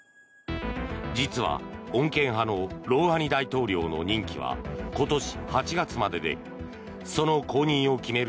実は穏健派のロウハニ大統領の任期は今年８月まででその後任を決める